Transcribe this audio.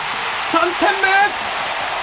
３点目！